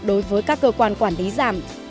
đối với các cơ quan quản lý giảm